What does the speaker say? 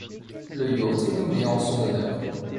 Le yacht est nommé en son honneur.